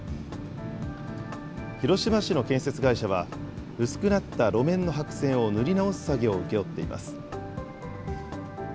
広島市の建設会社は、薄くなった路面の白線を塗り直す作業を請け負っています。